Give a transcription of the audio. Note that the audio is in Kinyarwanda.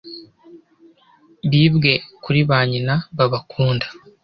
bibwe kuri ba nyina babakunda